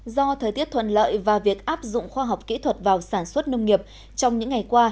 do thời tiết thuận lợi và việc áp dụng khoa học kỹ thuật vào sản xuất nông nghiệp trong những ngày qua